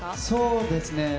そうですね。